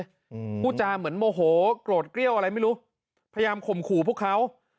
อืมผู้จาเหมือนโมโหโกรธเกลี้ยวอะไรไม่รู้พยายามข่มขู่พวกเขา